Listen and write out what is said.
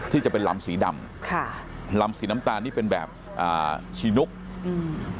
จะเป็นลำสีดำค่ะลำสีน้ำตาลนี่เป็นแบบอ่าชีนุกอืม